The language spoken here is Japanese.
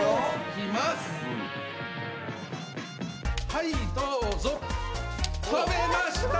はいどうぞ。飛べました！